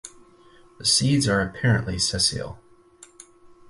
The seeds are apparently sessile.